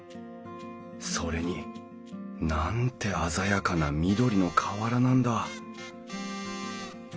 それになんて鮮やかな緑の瓦なんだ！